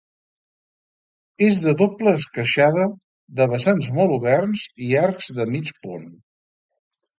És de doble esqueixada, de vessants molt oberts i arcs de mig punt.